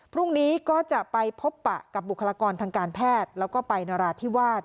พรุ่งนี้ก็จะไปพบปะกับบุคลากรทางการแพทย์แล้วก็ไปนราธิวาส